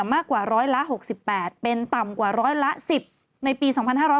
มากกว่า๑๐๐ล้า๖๘เป็นต่ำกว่า๑๐๐ล้า๑๐ในปี๒๕๖๑